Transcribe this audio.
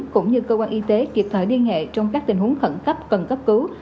cũng như cơ quan y tế kiệt thở điên hệ trong các tình huống khẩn cấp cần cấp cứu